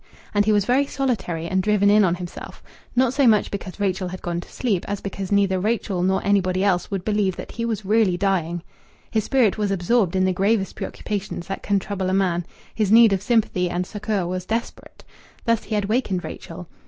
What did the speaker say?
And he was very solitary and driven in on himself not so much because Rachel had gone to sleep as because neither Rachel nor anybody else would believe that he was really dying. His spirit was absorbed in the gravest preoccupations that can trouble a man. His need of sympathy and succour was desperate. Thus he had wakened Rachel.